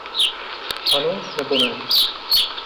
Ano nebo ne?